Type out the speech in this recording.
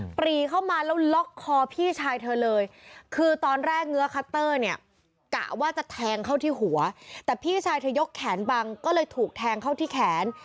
ปรีเข้ามาแล้วล็อกคอพี่ชายเธอเลยคือตอนแรกเงื้อคัตเตอร์เนี่ยกะว่าจะแทงเข้าที่หัวแต่พี่ชายเธอยกแขนบังก็เลยถูกแทงเข้าที่แขน